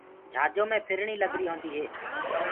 جھآجو مي ڦرڻيٚ لگريٚ هونٚدي هي